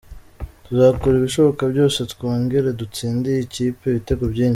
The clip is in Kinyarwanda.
Tuzakora ibishoboka byose twongere dutsinde iyi kipe ibitego byinshi.